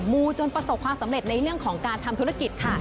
มูจนประสบความสำเร็จในเรื่องของการทำธุรกิจค่ะ